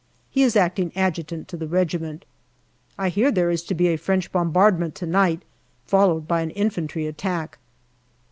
He is acting Adjutant to the regiment. I hear that there is to be a French bombardment to night, followed by an infantry attack.